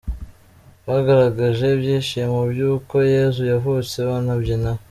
Bagaragaje ibyishimo by’uko Yezu yazutse banabyina.